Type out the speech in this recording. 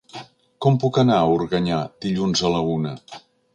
Com puc anar a Organyà dilluns a la una?